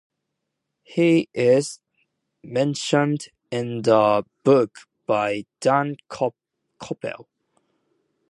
He is mentioned in the book by Dan Koeppel.